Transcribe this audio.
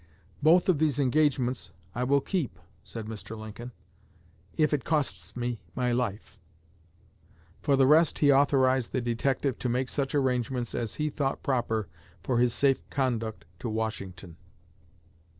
'Both of these engagements I will keep,' said Mr. Lincoln, 'if it costs me my life.' For the rest, he authorized the detective to make such arrangements as he thought proper for his safe conduct to Washington."